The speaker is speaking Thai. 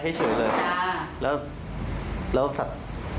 ฮะไม้เฉยเลยหรือแบบ